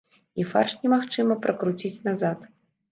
І фарш немагчыма пракруціць назад.